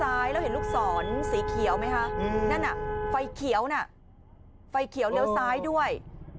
อ้าแล้วก็เลนที่ทักซี่จอดก็เป็นเลนเลี้ยวซ้ายด้วย